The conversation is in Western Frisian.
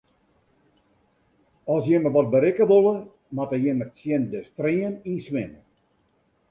As jimme wat berikke wolle, moatte jimme tsjin de stream yn swimme.